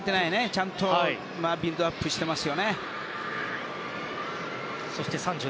ちゃんとビルドアップしてます。